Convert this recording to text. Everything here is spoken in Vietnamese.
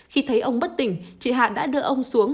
khi thấy ông bất tỉnh chị hạ đã đưa ông xuống